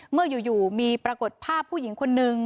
เมื่ออยู่มีปรากฏภาพผู้หญิงคนนึง